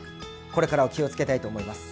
これからは気をつけたいと思います。